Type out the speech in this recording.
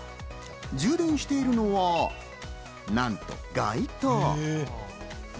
充電しているのはなんと街灯。